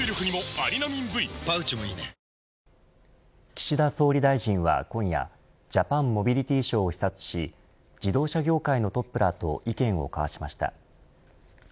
岸田総理大臣は今夜ジャパンモビリティショーを視察し自動車業界のトップらと意見を交わしました。